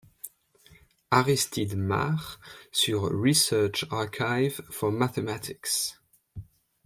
Aristide Marre sur Research Archive for Mathematics.